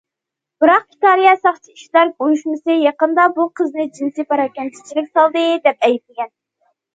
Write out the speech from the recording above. بىراق، ئىتالىيە ساقچى ئىشچىلار ئۇيۇشمىسى يېقىندا بۇ قىزنى جىنسىي پاراكەندىچىلىك سالدى، دەپ ئەيىبلىگەن.